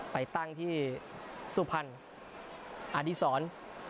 ไปตั้งที่สุพรรณอดีศร